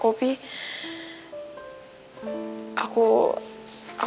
aku cuma lagi kangen sama mami aja